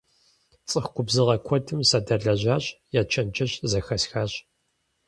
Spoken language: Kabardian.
ЦӀыху губзыгъэ куэдым садэлэжьащ, я чэнджэщ зэхэсхащ.